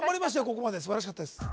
ここまで素晴らしかったです